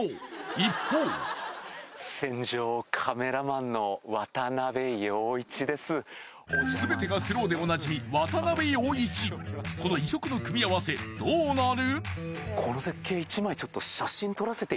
一方全てがスローでおなじみこの異色の組み合わせどうなる！？